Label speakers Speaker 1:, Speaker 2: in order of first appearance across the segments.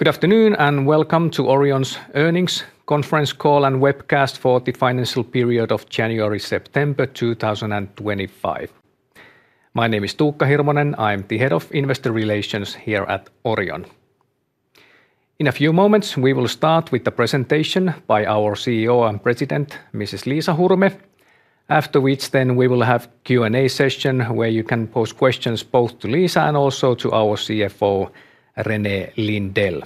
Speaker 1: Good afternoon and welcome to Orion's earnings conference call and webcast for the financial period of January-September 2025. My name is Tuukka Hirvonen. I am the Head of Investor Relations here at Orion. In a few moments, we will start with the presentation by our CEO and President, Mrs. Liisa Hurme, after which we will have a Q&A session where you can post questions both to Liisa and also to our CFO, René Lindell.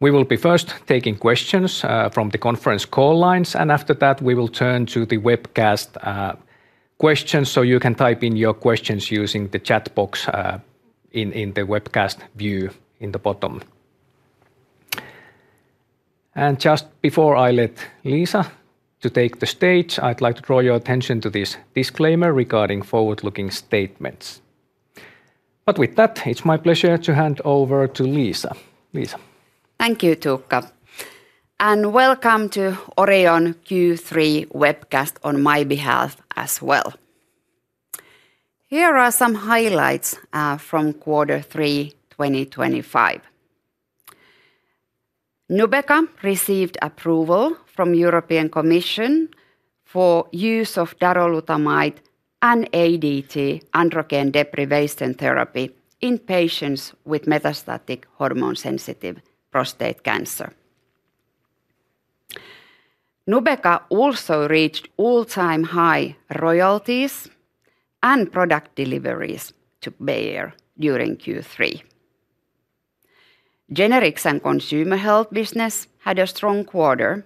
Speaker 1: We will be first taking questions from the conference call lines, and after that, we will turn to the webcast questions so you can type in your questions using the chat box in the webcast view in the bottom. Just before I let Liisa take the stage, I'd like to draw your attention to this disclaimer regarding forward-looking statements. With that, it's my pleasure to hand over to Liisa. Liisa.
Speaker 2: Thank you, Tuukka. And welcome to Orion Q3 webcast on my behalf as well. Here are some highlights from Q3 2025. Nubeqa received approval from the European Commission for the use of darolutamide and ADT, androgen deprivation therapy, in patients with metastatic hormone-sensitive prostate cancer. Nubeqa also reached all-time high royalties and product deliveries to Bayer during Q3. Generics and consumer health business had a strong quarter,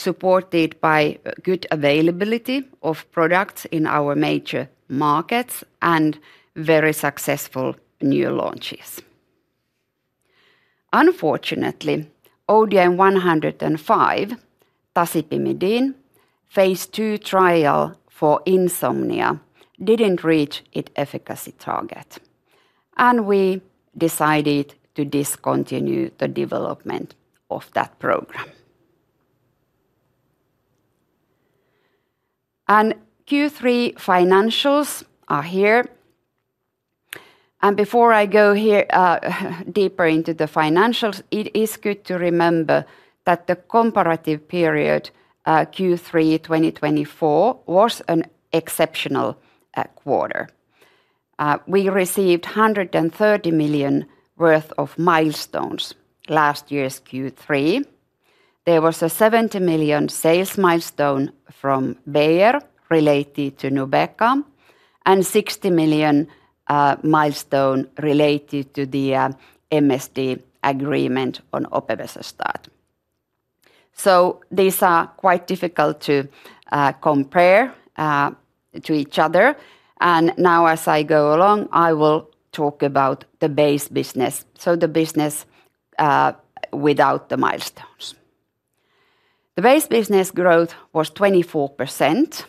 Speaker 2: supported by good availability of products in our major markets and very successful new launches. Unfortunately, ODM-105, tasipimidine phase II trial for insomnia, didn't reach its efficacy target, and we decided to discontinue the development of that program. Q3 financials are here. Before I go deeper into the financials, it is good to remember that the comparative period Q3 2024 was an exceptional quarter. We received 130 million worth of milestones last year's Q3. There was a 70 million sales milestone from Bayer related to Nubeqa and a 60 million milestone related to the MSD agreement on Opevesostat. These are quite difficult to compare to each other. As I go along, I will talk about the base business, so the business without the milestones. The base business growth was 24%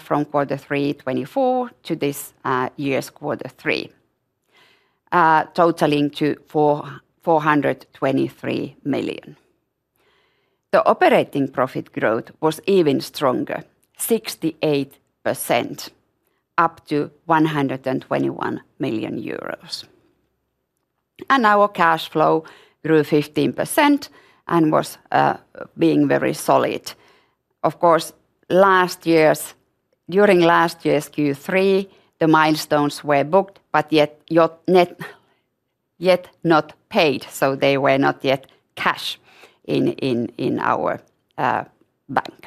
Speaker 2: from Q3 2024 to this year's Q3, totaling 423 million. The operating profit growth was even stronger, 68%, up to 121 million euros. Our cash flow grew 15% and was very solid. Of course, during last year's Q3, the milestones were booked, but yet not paid, so they were not yet cash in our bank.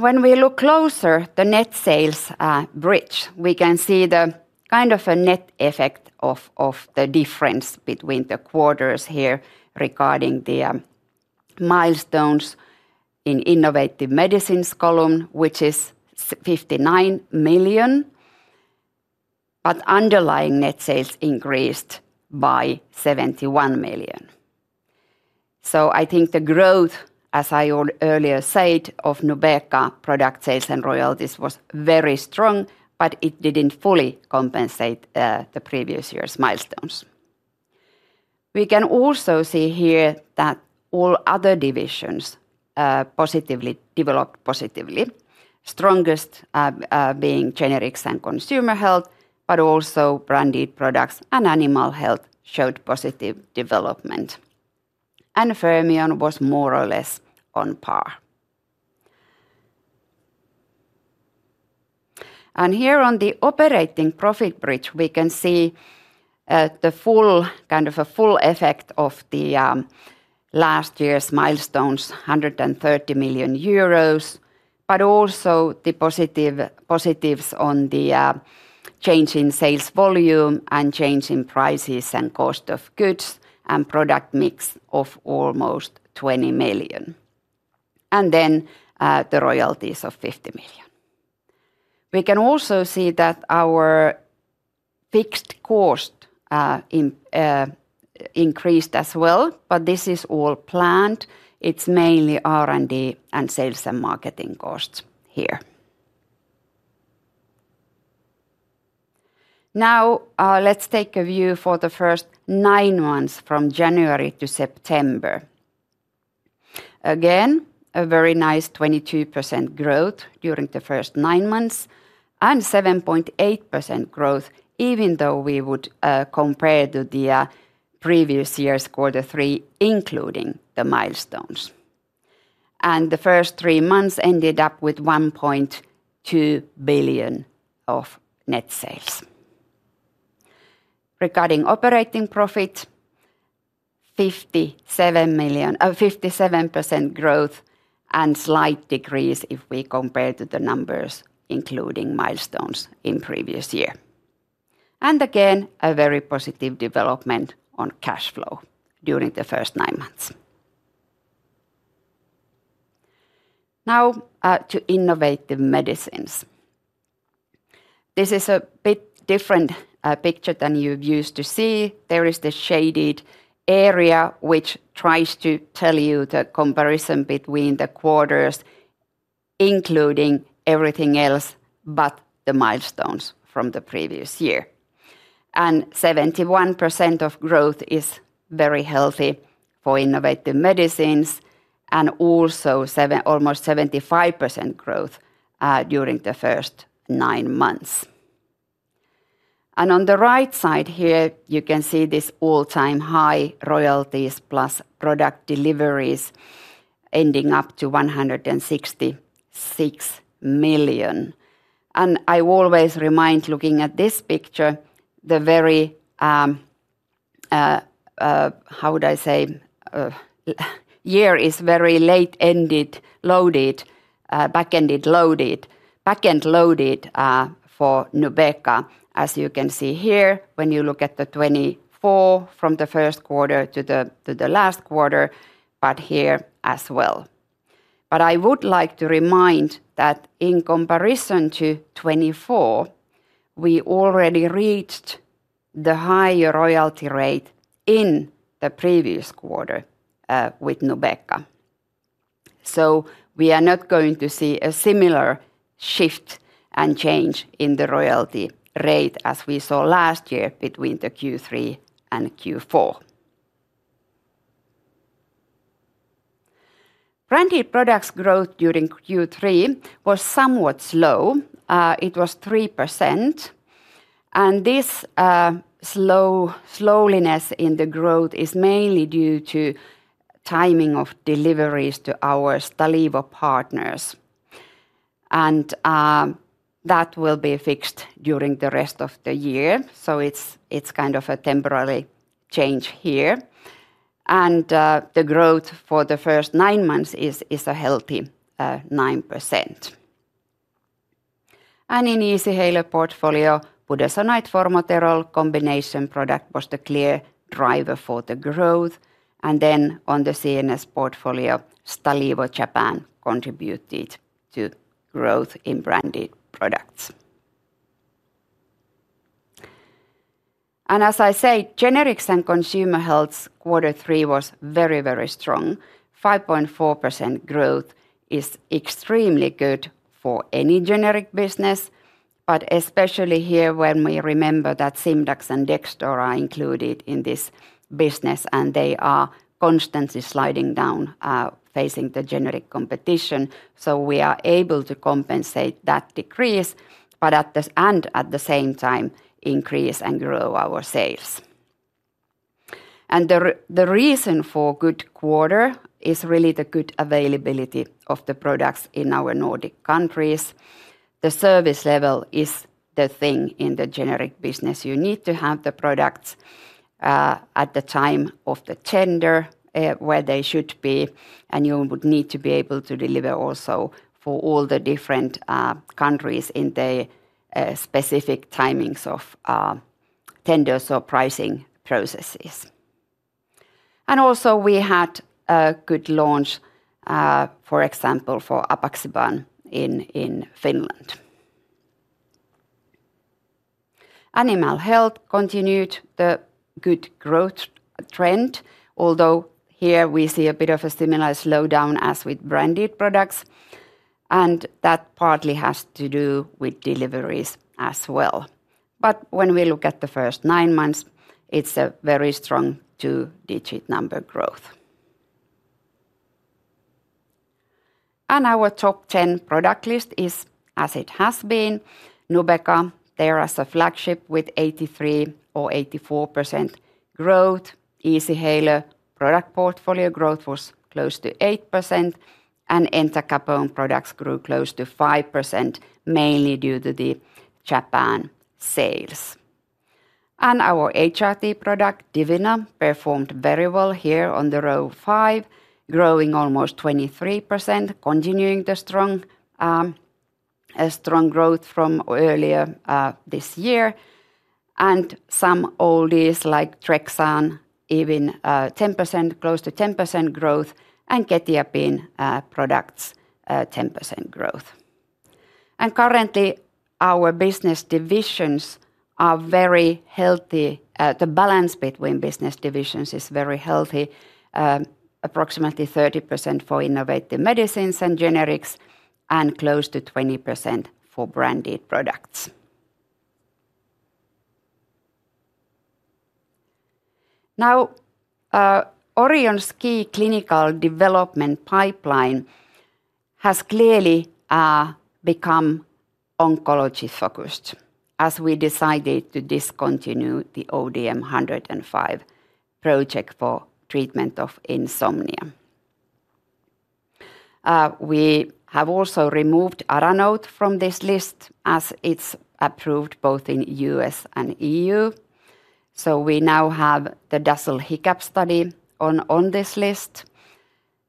Speaker 2: When we look closer, the net sales bridge, we can see the kind of a net effect of the difference between the quarters here regarding the milestones in the innovative medicines column, which is 59 million, but underlying net sales increased by 71 million. I think the growth, as I earlier said, of Nubeqa product sales and royalties was very strong, but it didn't fully compensate the previous year's milestones. We can also see here that all other divisions developed positively, strongest being generics and consumer health, but also branded products and animal health showed positive development. Fermion was more or less on par. Here on the operating profit bridge, we can see the full effect of the last year's milestones, 130 million euros, but also the positives on the change in sales volume and change in prices and cost of goods and product mix of almost 20 million. The royalties of 50 million. We can also see that our fixed cost increased as well, but this is all planned. It's mainly R&D and sales and marketing costs here. Now let's take a view for the first nine months from January to September. Again, a very nice 22% growth during the first nine months and 7.8% growth, even though we would compare to the previous year's Q3, including the milestones. The first three months ended up with 1.2 billion of net sales. Regarding operating profit, 57% growth and slight decrease if we compare to the numbers including milestones in the previous year. Again, a very positive development on cash flow during the first nine months. Now to innovative medicines. This is a bit different picture than you're used to see. There is the shaded area which tries to tell you the comparison between the quarters, including everything else but the milestones from the previous year. 71% of growth is very healthy for innovative medicines and also almost 75% growth during the first nine months. On the right side here, you can see this all-time high royalties plus product deliveries ending up to 166 million. I always remind looking at this picture, the very, how would I say, year is very late-ended, loaded, back-end loaded for Nubeqa, as you can see here when you look at the 2024 from the first quarter to the last quarter, but here as well. I would like to remind that in comparison to 2024, we already reached the higher royalty rate in the previous quarter with Nubeqa. We are not going to see a similar shift and change in the royalty rate as we saw last year between the Q3 and Q4. Branded products growth during Q3 was somewhat slow. It was 3%. This slowness in the growth is mainly due to timing of deliveries to our Stalevo partners. That will be fixed during the rest of the year. It's kind of a temporary change here. The growth for the first nine months is a healthy 9%. In the Easyhaler portfolio, budesonide formoterol combination product was the clear driver for the growth. On the CNS portfolio, Stalevo Japan contributed to growth in branded products. As I said, generics and consumer health, Q3 was very, very strong. 5.4% growth is extremely good for any generic business, especially here when we remember that Simdax and Dextor are included in this business and they are constantly sliding down facing the generic competition. We are able to compensate that decrease, but at the same time, increase and grow our sales. The reason for a good quarter is really the good availability of the products in our Nordic countries. The service level is the thing in the generic business. You need to have the products at the time of the tender where they should be, and you need to be able to deliver also for all the different countries in the specific timings of tenders or pricing processes. We had a good launch, for example, for apixaban in Finland. Animal health continued the good growth trend, although here we see a bit of a similar slowdown as with branded products. That partly has to do with deliveries as well. When we look at the first nine months, it's a very strong two-digit number growth. Our top 10 product list is as it has been. Nubeqa is a flagship with 83% or 84% growth. Easyhaler product portfolio growth was close to 8%, and entacapone products grew close to 5%, mainly due to the Japan sales. Our HRT product, Divina, performed very well here on the row five, growing almost 23%, continuing the strong growth from earlier this year. Some oldies like Trexan, even close to 10% growth, and quetiapine products, 10% growth. Currently, our business divisions are very healthy. The balance between business divisions is very healthy, approximately 30% for innovative medicines and generics, and close to 20% for branded products. Orion's key clinical development pipeline has clearly become oncology-focused, as we decided to discontinue the ODM-105 project for treatment of insomnia. We have also removed Aranote from this list, as it's approved both in the U.S. and EU. We now have the Dussel Hiccup study on this list,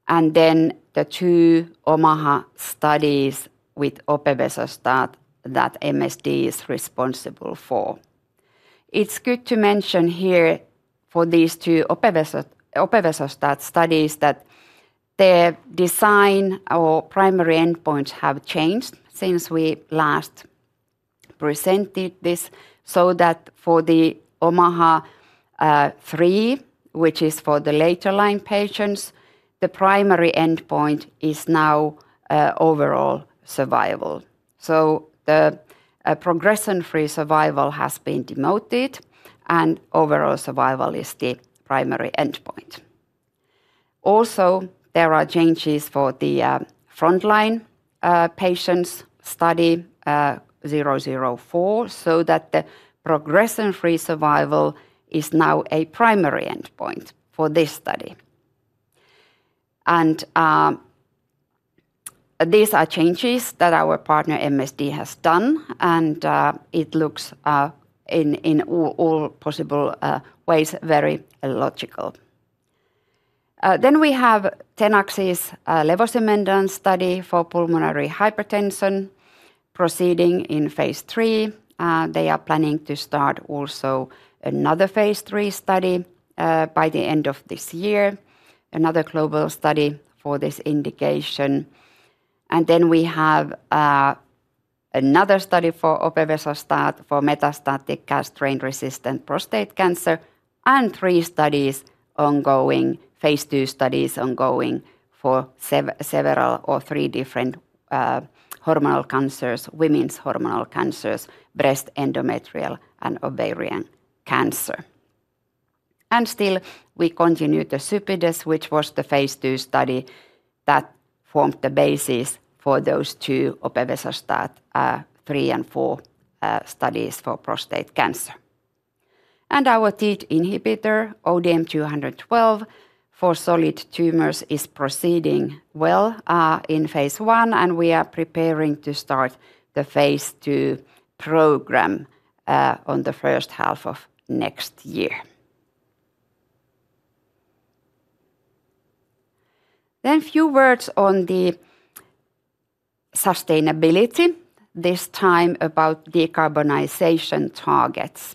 Speaker 2: and then the two Omaha studies with Opevesostat that MSD is responsible for. It is good to mention here for these two Opevesostat studies that their design or primary endpoints have changed since we last presented this, so that for the Omaha 3, which is for the later line patients, the primary endpoint is now overall survival. The progression-free survival has been demoted, and overall survival is the primary endpoint. There are also changes for the frontline patients study 004, so that the progression-free survival is now a primary endpoint for this study. These are changes that our partner MSD has done, and it looks in all possible ways very logical. We have the Tenaxis Levosumendan study for pulmonary hypertension proceeding in phase III. They are planning to start another phase III study by the end of this year, another global study for this indication. We have another study for Opevesostat for metastatic castrate-resistant prostate cancer, and three phase II studies ongoing for three different hormonal cancers: women's hormonal cancers, breast, endometrial, and ovarian cancer. We continue the SUPIDAS, which was the phase II study that formed the basis for those two Opevesostat 3 and 4 studies for prostate cancer. Our TIH inhibitor, ODM-212 for solid tumors, is proceeding well in phase I, and we are preparing to start the phase II program in the first half of next year. A few words on sustainability, this time about decarbonization targets.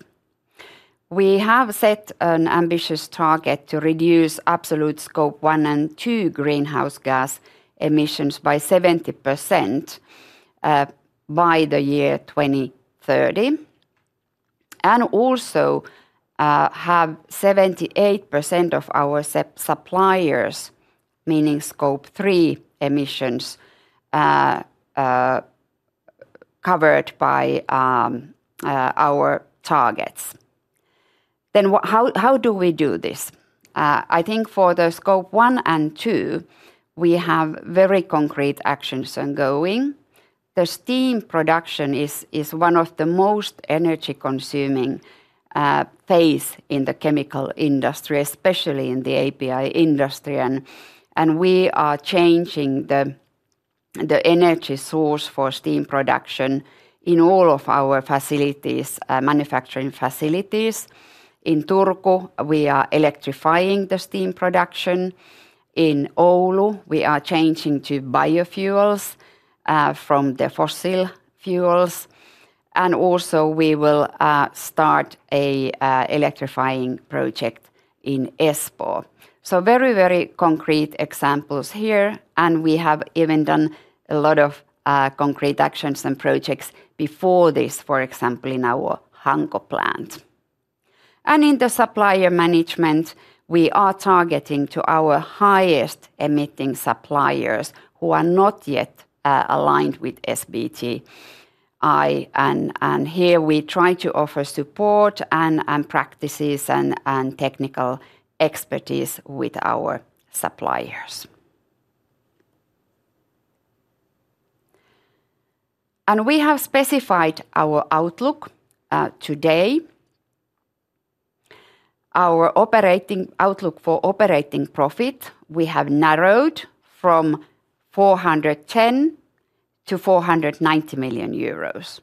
Speaker 2: We have set an ambitious target to reduce absolute scope one and two greenhouse gas emissions by 70% by the year 2030, and also have 78% of our suppliers, meaning scope three emissions, covered by our targets. For scope one and two, we have very concrete actions ongoing. The steam production is one of the most energy-consuming phases in the chemical industry, especially in the API industry, and we are changing the energy source for steam production in all of our manufacturing facilities. In Turku, we are electrifying the steam production. In Oulu, we are changing to biofuels from fossil fuels, and we will start an electrifying project in Espoo. These are very concrete examples, and we have already done a lot of concrete actions and projects before this, for example, in our Hanko plant. In supplier management, we are targeting our highest emitting suppliers who are not yet aligned with SBTI, and here we try to offer support, practices, and technical expertise with our suppliers. We have specified our outlook today. Our outlook for operating profit has been narrowed from 410 million to 490 million euros.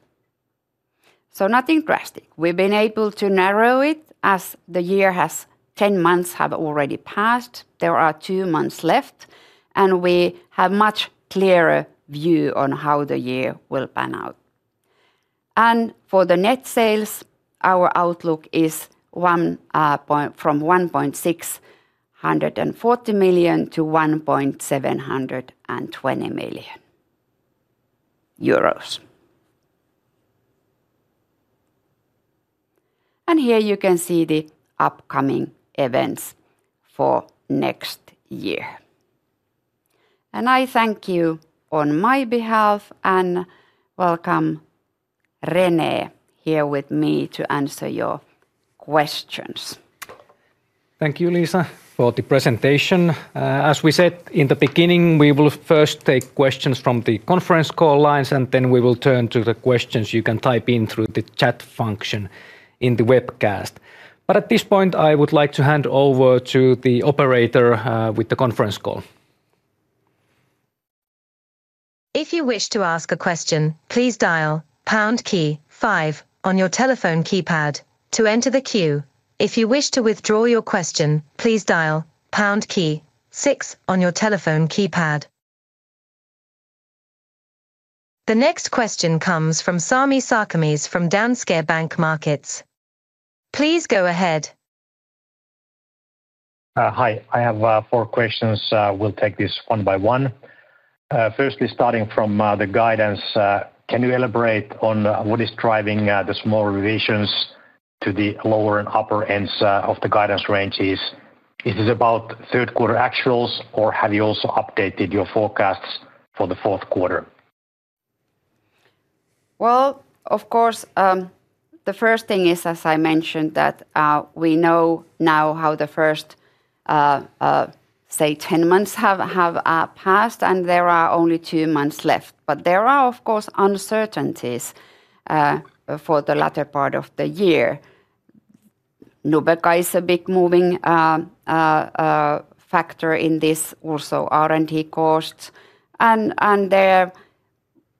Speaker 2: Nothing drastic. We've been able to narrow it as the year has 10 months already passed. There are two months left, and we have a much clearer view on how the year will pan out. For net sales, our outlook is from 1,640 million to 1,720 million euros. Here you can see the upcoming events for next year. I thank you on my behalf, and welcome René here with me to answer your questions.
Speaker 1: Thank you, Liisa, for the presentation. As we said in the beginning, we will first take questions from the conference call lines, and then we will turn to the questions you can type in through the chat function in the webcast. At this point, I would like to hand over to the operator with the conference call.
Speaker 3: If you wish to ask a question, please dial pound key five on your telephone keypad to enter the queue. If you wish to withdraw your question, please dial pound key six on your telephone keypad. The next question comes from Sami Sarkamies from Danske Bank Markets. Please go ahead.
Speaker 4: Hi, I have four questions. We'll take this one by one. Firstly, starting from the guidance, can you elaborate on what is driving the small revisions to the lower and upper ends of the guidance ranges? Is this about third quarter actuals, or have you also updated your forecasts for the fourth quarter?
Speaker 2: Of course, the first thing is, as I mentioned, that we know now how the first, say, 10 months have passed, and there are only two months left. There are, of course, uncertainties for the latter part of the year. Nubeqa is a big moving factor in this, also R&D costs, and their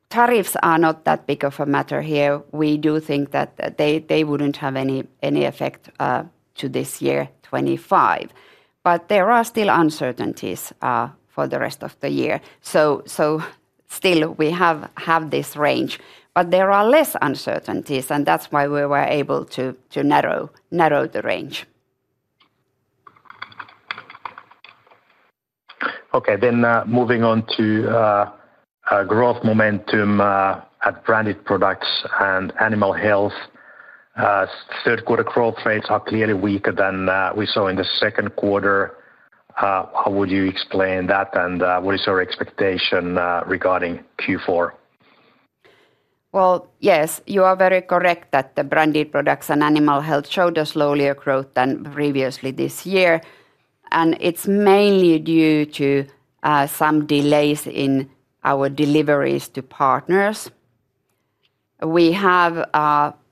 Speaker 2: tariffs are not that big of a matter here. We do think that they wouldn't have any effect to this year 2025. There are still uncertainties for the rest of the year. We have this range, but there are less uncertainties, and that's why we were able to narrow the range.
Speaker 4: Okay, then moving on to growth momentum at branded products and animal health. Third quarter growth rates are clearly weaker than we saw in the second quarter. How would you explain that, and what is your expectation regarding Q4?
Speaker 2: Yes, you are very correct that the branded products and animal health showed a slower growth than previously this year. It's mainly due to some delays in our deliveries to partners. We have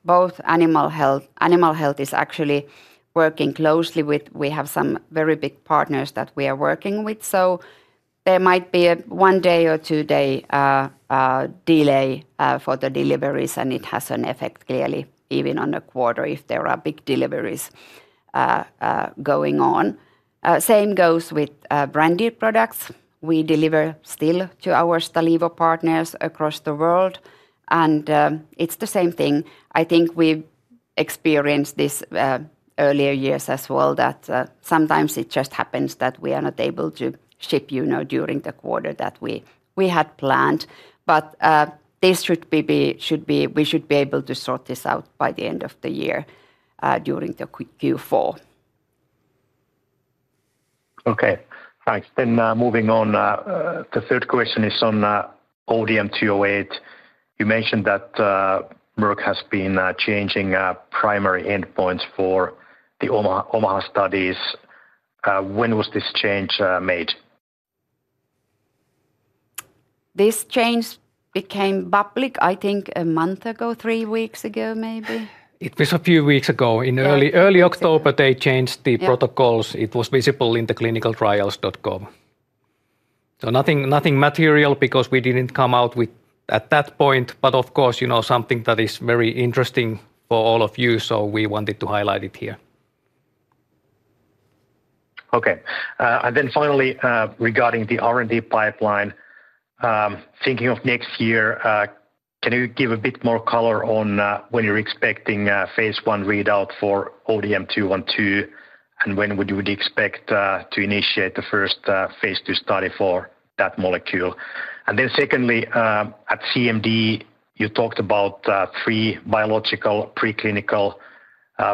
Speaker 2: both animal health, animal health is actually working closely with, we have some very big partners that we are working with. There might be a one-day or two-day delay for the deliveries, and it has an effect clearly, even on the quarter if there are big deliveries going on. The same goes with branded products. We deliver still to our Stalivo partners across the world, and it's the same thing. I think we experienced this in earlier years as well, that sometimes it just happens that we are not able to ship, you know, during the quarter that we had planned. This should be, we should be able to sort this out by the end of the year during Q4.
Speaker 4: Okay, thanks. Moving on, the third question is on ODM-208. You mentioned that Merck has been changing primary endpoints for the Omaha studies. When was this change made?
Speaker 2: This change became public, I think, a month ago, three weeks ago, maybe.
Speaker 1: It was a few weeks ago. In early October, they changed the protocols. It was visible in the clinicaltrials.gov. Nothing material because we didn't come out with at that point, but of course, you know, something that is very interesting for all of you, so we wanted to highlight it here.
Speaker 4: Okay. Finally, regarding the R&D pipeline, thinking of next year, can you give a bit more color on when you're expecting phase I readout for ODM-212, and when would you expect to initiate the first phase II study for that molecule? Secondly, at CMD, you talked about three biological preclinical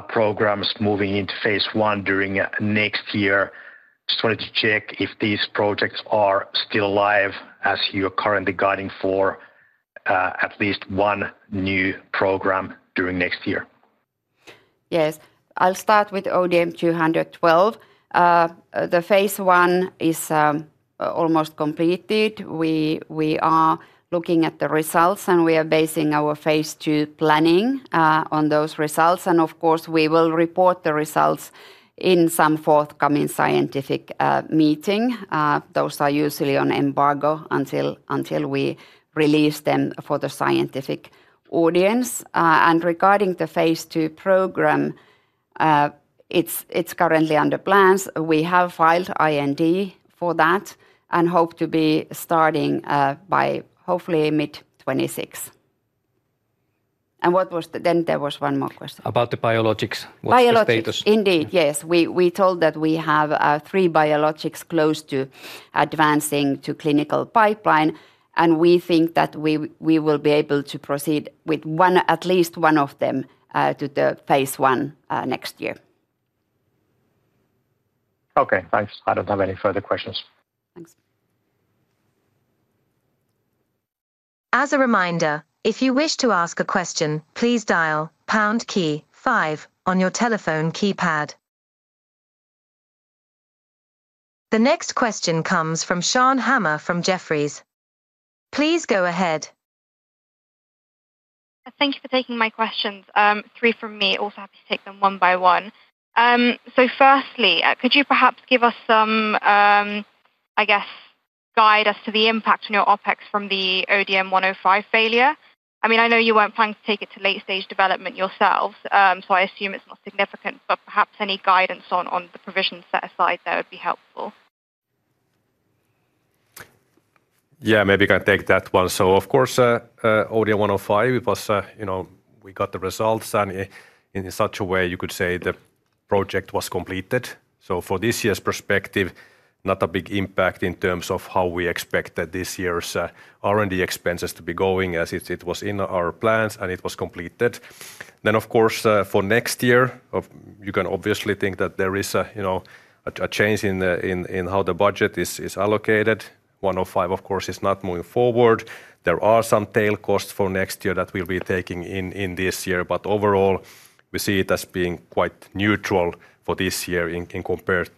Speaker 4: programs moving into phase I during next year. I just wanted to check if these projects are still alive as you are currently guiding for at least one new program during next year.
Speaker 2: Yes, I'll start with ODM-212. The phase I is almost completed. We are looking at the results, and we are basing our phase II planning on those results. We will report the results in some forthcoming scientific meeting. Those are usually on embargo until we release them for the scientific audience. Regarding the phase II program, it's currently under plans. We have filed IND for that and hope to be starting by hopefully mid-2026. What was then, there was one more question.
Speaker 1: About the biologics.
Speaker 2: Biologics, indeed, yes. We told that we have three biologics close to advancing to clinical pipeline, and we think that we will be able to proceed with at least one of them to the phase I next year.
Speaker 4: Okay, thanks. I don't have any further questions.
Speaker 2: Thanks.
Speaker 3: As a reminder, if you wish to ask a question, please dial the pound key five on your telephone keypad. The next question comes from Sean Hammer from Jefferies. Please go ahead.
Speaker 5: Thank you for taking my questions. Three from me, also happy to take them one by one. Firstly, could you perhaps give us some, I guess, guide us to the impact on your OpEx from the ODM-105 failure? I mean, I know you weren't planning to take it to late-stage development yourselves, so I assume it's not significant, but perhaps any guidance on the provision set aside there would be helpful.
Speaker 6: Maybe I can take that one. Of course, ODM-105, it was, you know, we got the results, and in such a way you could say the project was completed. For this year's perspective, not a big impact in terms of how we expected this year's R&D expenses to be going as it was in our plans and it was completed. Of course, for next year, you can obviously think that there is a, you know, a change in how the budget is allocated. 105, of course, is not moving forward. There are some tail costs for next year that we'll be taking in this year, but overall, we see it as being quite neutral for this year compared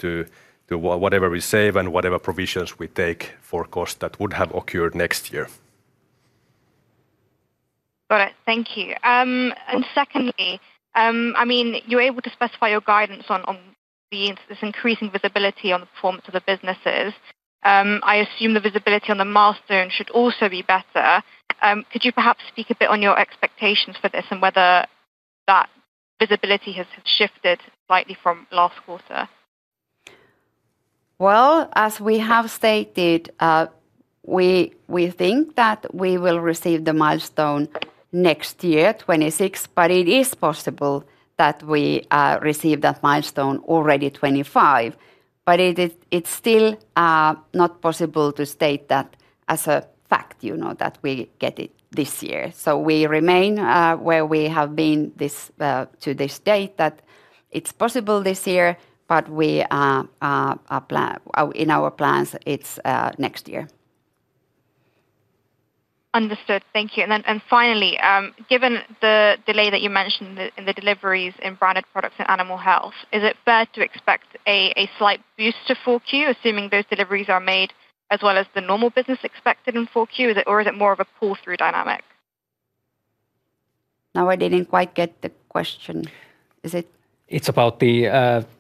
Speaker 6: to whatever we save and whatever provisions we take for costs that would have occurred next year.
Speaker 5: Got it. Thank you. Secondly, you're able to specify your guidance on this increasing visibility on the performance of the businesses. I assume the visibility on the milestones should also be better. Could you perhaps speak a bit on your expectations for this and whether that visibility has shifted slightly from last quarter?
Speaker 2: As we have stated, we think that we will receive the milestone next year, 2026, but it is possible that we receive that milestone already in 2025. It's still not possible to state that as a fact, you know, that we get it this year. We remain where we have been to this date, that it's possible this year, but in our plans, it's next year.
Speaker 5: Understood. Thank you. Finally, given the delay that you mentioned in the deliveries in branded products and animal health, is it fair to expect a slight boost to full Q4, assuming those deliveries are made as well as the normal business expected in full Q4, or is it more of a pull-through dynamic?
Speaker 2: I didn't quite get the question. Is it?
Speaker 1: It's about the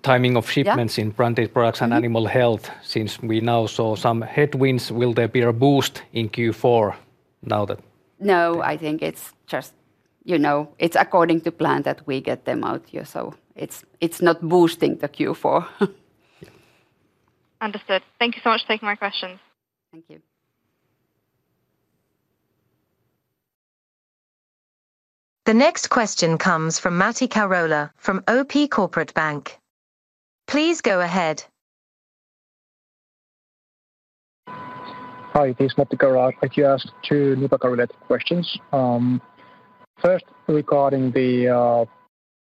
Speaker 1: timing of shipments in branded products and animal health. Since we now saw some headwinds, will there be a boost in Q4 now?
Speaker 2: No, I think it's just according to plan that we get them out here, so it's not boosting the Q4.
Speaker 5: Understood. Thank you so much for taking my questions.
Speaker 2: Thank you.
Speaker 3: The next question comes from Matti Kuarola from OP Corporate Bank. Please go ahead.
Speaker 7: Hi, this is Matti Kuarola. I'd like to ask two Nubeqa-related questions. First, regarding the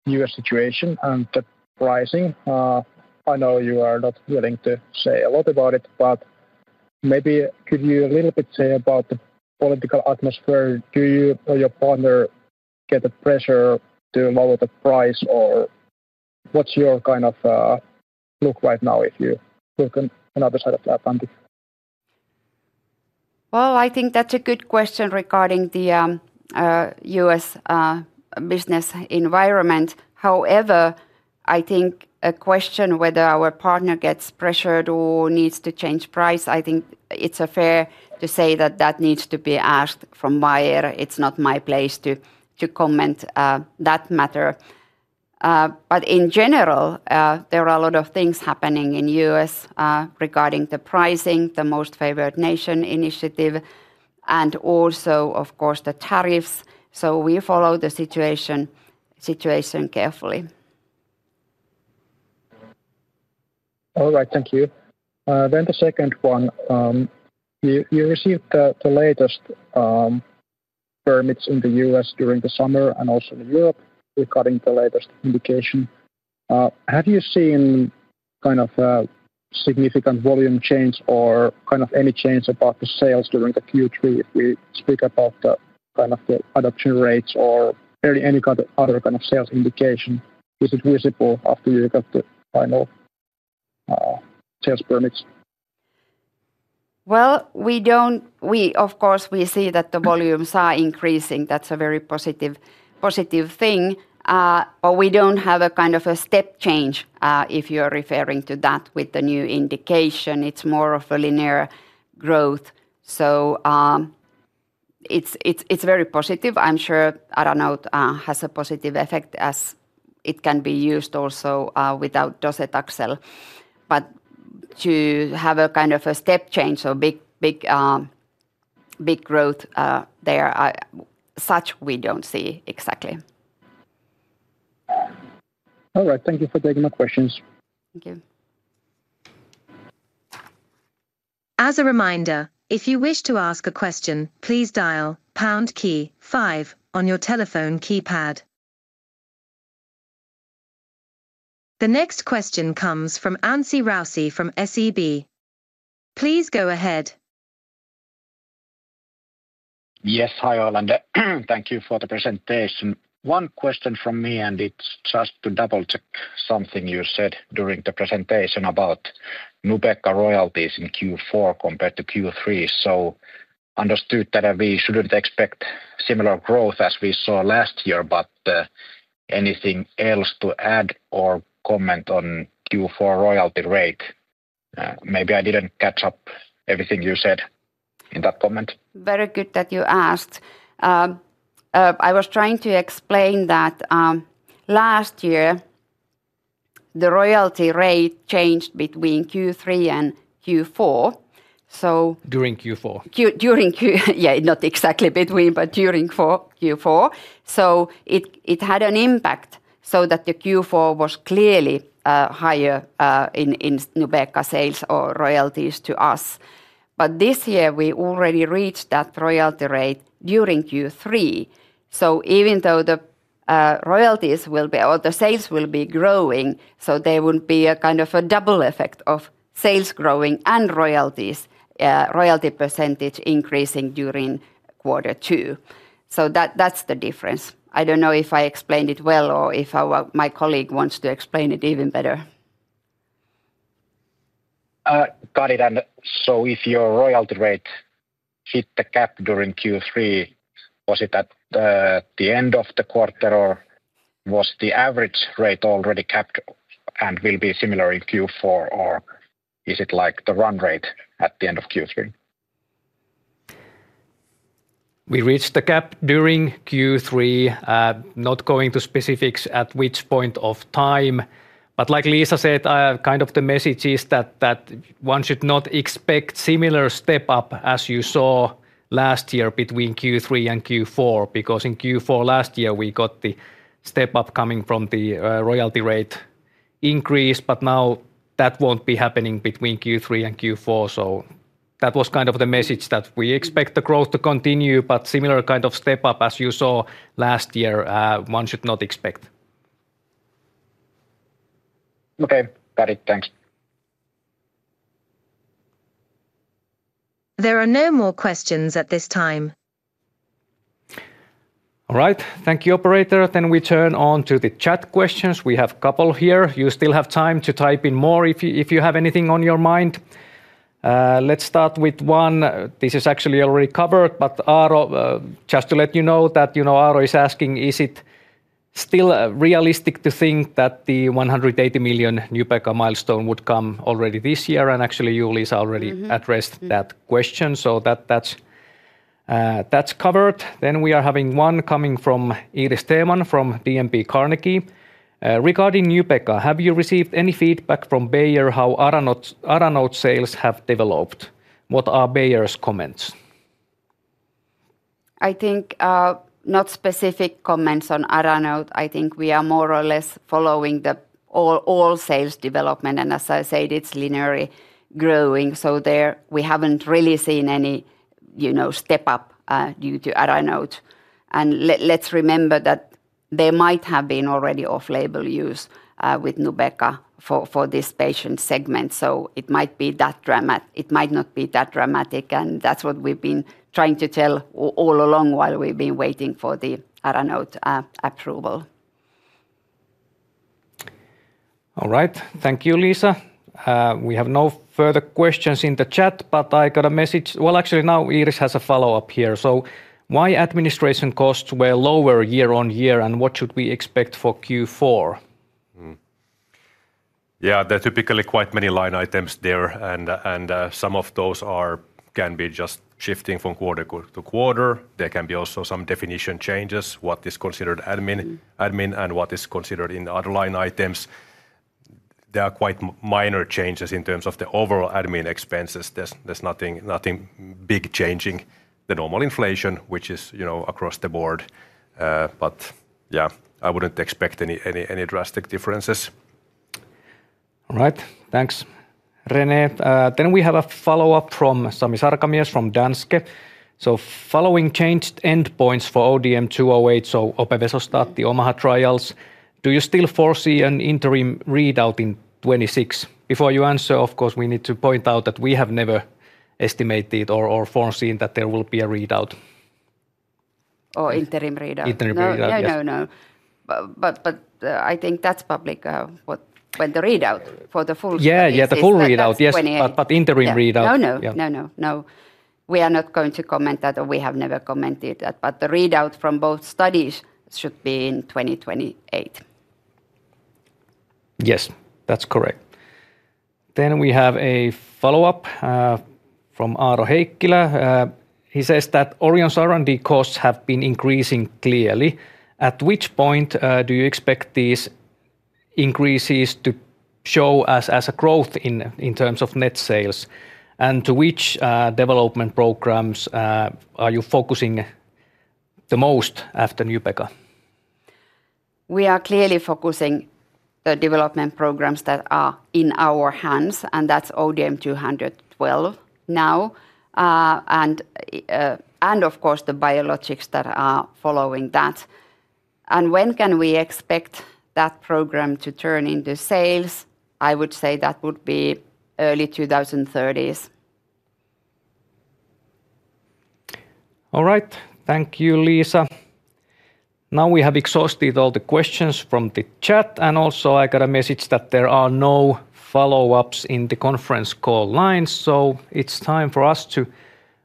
Speaker 7: U.S. situation and the pricing, I know you are not willing to say a lot about it, but maybe could you a little bit say about the political atmosphere? Do you or your partner get the pressure to lower the price, or what's your kind of look right now if you look on another side of the Atlantic?
Speaker 2: I think that's a good question regarding the U.S. business environment. However, I think a question whether our partner gets pressured or needs to change price, I think it's fair to say that that needs to be asked from Bayer. It's not my place to comment on that matter. In general, there are a lot of things happening in the U.S. regarding the pricing, the Most Favored Nation initiative, and also, of course, the tariffs. We follow the situation carefully.
Speaker 7: All right, thank you. The second one, you received the latest permits in the U.S. during the summer and also in Europe regarding the latest indication. Have you seen a significant volume change or any change in the sales during Q3 if we speak about the adoption rates or any other sales indication? Is it visible after you got the final sales permits?
Speaker 2: We see that the volumes are increasing. That's a very positive thing. We don't have a kind of a step change if you're referring to that with the new indication. It's more of a linear growth. It's very positive. I'm sure Aranote has a positive effect as it can be used also without docetaxel. To have a kind of a step change or big growth there, such we don't see exactly.
Speaker 7: All right, thank you for taking my questions.
Speaker 2: Thank you.
Speaker 3: As a reminder, if you wish to ask a question, please dial the pound key five on your telephone keypad. The next question comes from Anssi Raussi from SEB. Please go ahead.
Speaker 8: Yes, hi all, and thank you for the presentation. One question from me, and it's just to double-check something you said during the presentation about Nubeqa royalties in Q4 compared to Q3. I understood that we shouldn't expect similar growth as we saw last year, but anything else to add or comment on Q4 royalty rate? Maybe I didn't catch everything you said in that comment.
Speaker 2: Very good that you asked. I was trying to explain that last year the royalty rate changed between Q3 and Q4.
Speaker 8: During Q4?
Speaker 2: During, not exactly between, but during Q4. It had an impact so that Q4 was clearly higher in Nubeqa sales or royalties to us. This year we already reached that royalty rate during Q3. Even though the royalties will be, or the sales will be growing, there would be a kind of a double effect of sales growing and royalties percentage increasing during quarter two. That's the difference. I don't know if I explained it well or if my colleague wants to explain it even better.
Speaker 8: Got it. If your royalty rate hit the cap during Q3, was it at the end of the quarter, or was the average rate already capped and will be similar in Q4, or is it like the run rate at the end of Q3?
Speaker 1: We reached the cap during Q3. Not going to specifics at which point of time, but like Liisa said, the message is that one should not expect a similar step-up as you saw last year between Q3 and Q4. In Q4 last year, we got the step-up coming from the royalty rate increase, but now that won't be happening between Q3 and Q4. That was the message that we expect the growth to continue, but a similar kind of step-up as you saw last year, one should not expect.
Speaker 8: Okay, got it. Thanks.
Speaker 3: There are no more questions at this time.
Speaker 1: All right, thank you, operator. We turn on to the chat questions. We have a couple here. You still have time to type in more if you have anything on your mind. Let's start with one. This is actually already covered, but just to let you know that Aro is asking, is it still realistic to think that the 180 million Nubeqa milestone would come already this year? Actually, you, Liisa, already addressed that question. That's covered. We are having one coming from Iris Theman from DNB Carnegie. Regarding Nubeqa, have you received any feedback from Bayer how Aranote sales have developed? What are Bayer's comments?
Speaker 2: I think not specific comments on Aranote. I think we are more or less following the all sales development, and as I said, it's linearly growing. There we haven't really seen any, you know, step-up due to Aranote. Let's remember that there might have been already off-label use with Nubeqa for this patient segment. It might be that dramatic. It might not be that dramatic. That's what we've been trying to tell all along while we've been waiting for the Aranote approval.
Speaker 1: All right, thank you, Liisa. We have no further questions in the chat, but I got a message. Actually, now Iris has a follow-up here. My administration costs were lower year on year, and what should we expect for Q4?
Speaker 6: There are typically quite many line items there, and some of those can be just shifting from quarter to quarter. There can be also some definition changes, what is considered admin and what is considered in the other line items. There are quite minor changes in terms of the overall admin expenses. There's nothing big changing. The normal inflation, which is, you know, across the board. I wouldn't expect any drastic differences.
Speaker 1: All right, thanks, René. We have a follow-up from Sami Sarkamies from Danske. Following changed endpoints for ODM-208, so Opevesostat, the Omaha trials, do you still foresee an interim readout in 2026? Before you answer, of course, we need to point out that we have never estimated or foreseen that there will be a readout.
Speaker 2: Oh, interim readout.
Speaker 1: Interim readout.
Speaker 2: I think that's public when the readout for the full study.
Speaker 1: Yeah, the full readout, yes, but interim readout.
Speaker 2: We are not going to comment that, or we have never commented that. The readout from both studies should be in 2028.
Speaker 1: Yes, that's correct. We have a follow-up from Aro Heikkilä. He says that Orion's R&D costs have been increasing clearly. At which point do you expect these increases to show as a growth in terms of net sales? To which development programs are you focusing the most after Nubeqa?
Speaker 2: We are clearly focusing on the development programs that are in our hands, and that's ODM-212 now, and of course the biologics that are following that. When can we expect that program to turn into sales? I would say that would be early 2030s.
Speaker 1: All right, thank you, Liisa. Now we have exhausted all the questions from the chat, and also I got a message that there are no follow-ups in the conference call lines. It is time for us to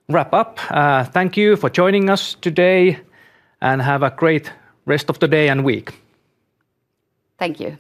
Speaker 1: wrap up. Thank you for joining us today, and have a great rest of the day and week.
Speaker 2: Thank you.